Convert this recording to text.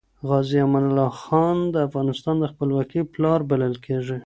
غازي امان الله خان د افغانستان د خپلواکۍ پلار بلل کیږي.